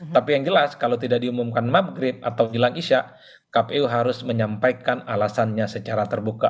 tapi yang jelas kalau tidak diumumkan maghrib atau hilang isya kpu harus menyampaikan alasannya secara terbuka